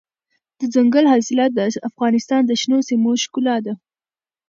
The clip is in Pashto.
دځنګل حاصلات د افغانستان د شنو سیمو ښکلا ده.